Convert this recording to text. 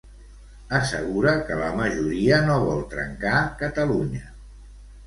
Assegura que la majoria no vol “trencar” Catalunya.